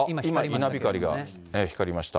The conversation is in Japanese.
稲光が光りました。